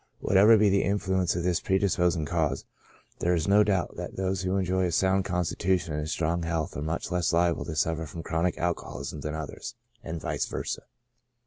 Whatever be the influence of this predisposing cause, there is no doubt that those who enjoy a sound con stitution and a strong health are much less liable to suffer from chronic alcoholism than others, and vice versa.